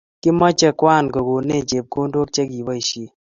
Kimoche Kwan kokonech chepkondok che kiboisie